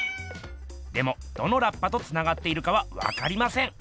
でもどのラッパとつながっているかはわかりません。